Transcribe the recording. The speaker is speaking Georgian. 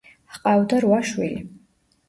ჰყავდა რვა შვილი.